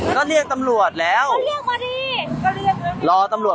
ก็เรียกตำรวจแล้ว